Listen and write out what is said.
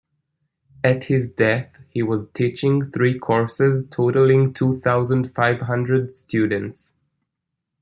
At his death he was teaching three courses totaling two thousand five hundred students.